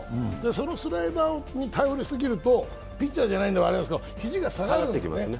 そのスライダーに頼り過ぎるとピッチャーじゃないのであれなんですけど、肘が下がってくるんですよね、